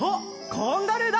カンガルーだ！